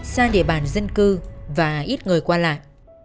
xa địa bàn dân cư và ít người qua lại